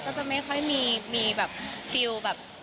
ก็จะไม่ค่อยมีความรู้สึก